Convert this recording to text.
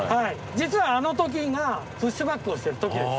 実はあの時がプッシュバックをしてる時です。